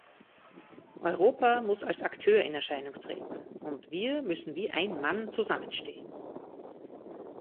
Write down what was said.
Europa muss als Akteur in Erscheinung treten, und wir müssen wie ein Mann zusammenstehen.